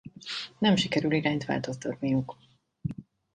Nem sikerül irányt változtatniuk.